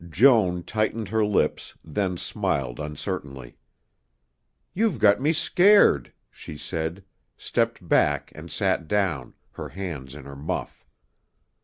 Joan tightened her lips, then smiled uncertainly. "You've got me scared," she said, stepped back and sat down, her hands in her muff.